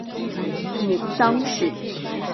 母臧氏。